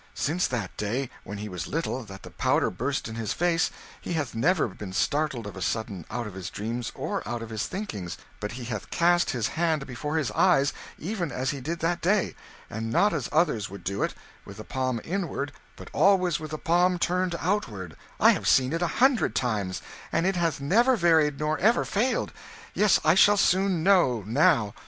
Since that day, when he was little, that the powder burst in his face, he hath never been startled of a sudden out of his dreams or out of his thinkings, but he hath cast his hand before his eyes, even as he did that day; and not as others would do it, with the palm inward, but always with the palm turned outward I have seen it a hundred times, and it hath never varied nor ever failed. Yes, I shall soon know, now!"